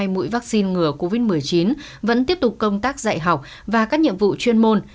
hai mũi vaccine ngừa covid một mươi chín vẫn tiếp tục công tác dạy học và các nhiệm vụ chuyên môn